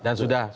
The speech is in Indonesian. dan sudah sudah